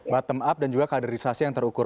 bottom up dan juga kaderisasi yang terukur